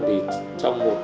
thì trong một hai năm tới đây